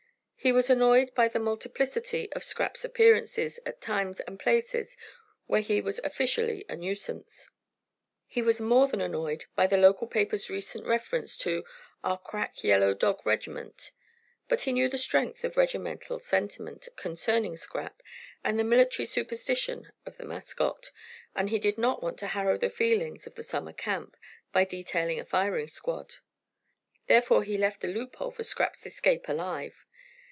He was annoyed by the multiplicity of Scrap's appearances at times and places where he was officially a nuisance. He was more than annoyed by the local paper's recent reference to "our crack yellow dog regiment." But he knew the strength of regimental sentiment concerning Scrap and the military superstition of the mascot, and he did not want to harrow the feelings of the "summer camp" by detailing a firing squad. Therefore he left a loop hole for Scrap's escape alive.